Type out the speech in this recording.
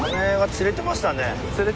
釣れてましたね。